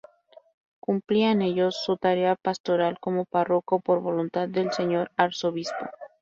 Cumplía en ellos, su tarea pastoral como párroco por voluntad del señor Arzobispo.